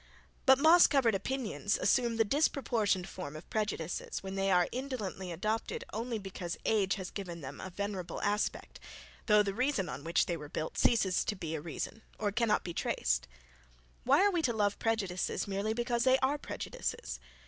But, moss covered opinions assume the disproportioned form of prejudices, when they are indolently adopted only because age has given them a venerable aspect, though the reason on which they were built ceases to be a reason, or cannot be traced. Why are we to love prejudices, merely because they are prejudices?